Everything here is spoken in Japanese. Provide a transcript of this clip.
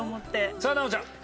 さあ奈央ちゃん。